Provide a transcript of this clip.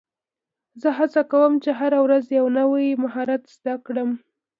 زه هڅه کوم، چي هره ورځ یو نوی مهارت زده کړم.